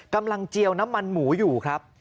กำลังเจียวน้ำมันหมูอยู่ครับ